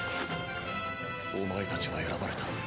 お前たちは選ばれた。